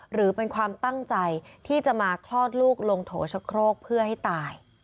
หรือเป็นความตั้งใจที่จะมาคลอดลูกลงโถชะโครกเพื่อให้ตาย